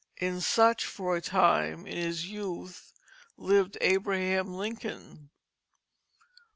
In such for a time, in his youth, lived Abraham Lincoln.